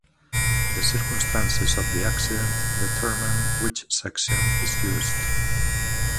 The circumstances of the accident determine which section is used.